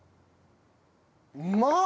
うまっ！